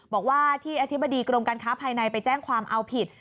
บอกว่าที่อธิบดีกรมการค้าภายในไปแจ้งความเอาผิด